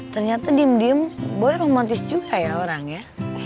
ternyata diem diem boy romantis juga ya orangnya